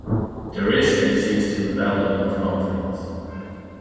The ratio is used in valuing companies.